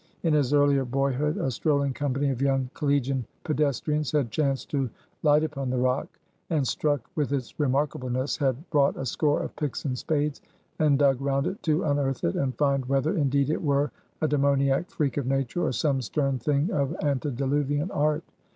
In his earlier boyhood a strolling company of young collegian pedestrians had chanced to light upon the rock; and, struck with its remarkableness, had brought a score of picks and spades, and dug round it to unearth it, and find whether indeed it were a demoniac freak of nature, or some stern thing of antediluvian art.